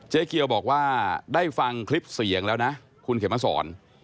เกียวบอกว่าได้ฟังคลิปเสียงแล้วนะคุณเขียนมาสอน